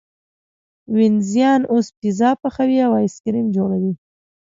وینزیان اوس پیزا پخوي او ایس کریم جوړوي.